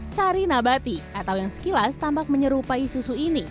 sari nabati atau yang sekilas tampak menyerupai susu ini